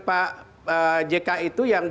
pak jk itu yang